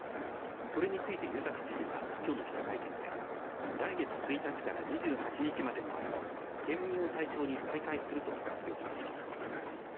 これについて湯崎知事はきょうの記者会見で来月１日から２８日までの間県民を対象に再開すると発表しました。